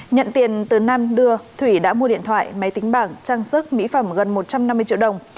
nhận tiền từ nam đưa thủy đã mua điện thoại máy tính bảng trang sức mỹ phẩm gần một trăm năm mươi triệu đồng